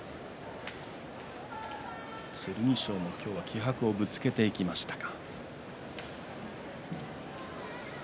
剣翔も今日は気迫をぶつけていきましたが。